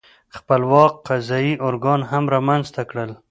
خپلواک قضايي ارګان هم رامنځته کړل.